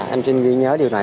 em xin ghi nhớ điều này